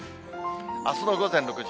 あすの午前６時。